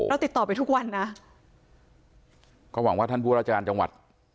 ติดต่อไปทุกวันนะก็หวังว่าท่านผู้ราชการจังหวัด